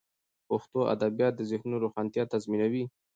پښتو ادبیات د ذهنونو روڼتیا تضمینوي.